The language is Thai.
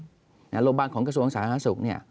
โรงพยาบาลของกระทรวงสาธารณสุข